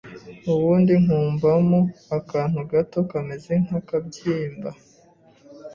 ubundi nkumvamo akantu gato kameze nk’akabyimba,